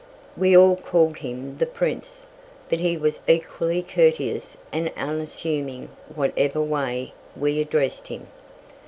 We all called him the Prince, but he was equally courteous and unassuming whatever way we addressed him.